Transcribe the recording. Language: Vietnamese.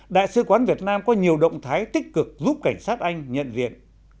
đại sứ quán việt nam có nhiều động thái tích cực giúp cảnh sát anh nhận viện